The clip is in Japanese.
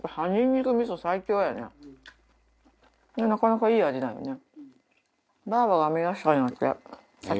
なかなかいい味だよね。